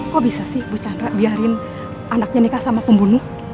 kok bisa sih bu chandra biarin anaknya nikah sama pembunuh